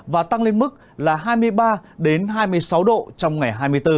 và tăng lên mức là hai mươi ba hai mươi sáu độ trong ngày hai mươi bốn